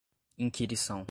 inquirição